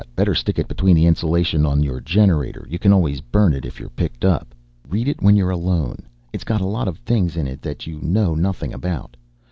Better stick it between the insulation on your generator, you can always burn it if you're picked up. "Read it when you're alone, it's got a lot of things in it that you know nothing about.